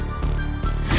aku akan membunuhnya